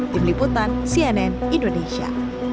tim liputan cnn indonesia